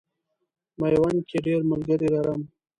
میوند کې ډېر ملګري لرم.